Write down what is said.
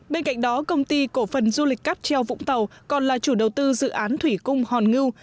bên cạnh đó công ty cổ phần du lịch cáp treo vũng tàu còn là chủ đầu tư dự án thủy cung hòn ngưu